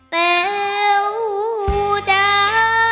เต๋วจ้า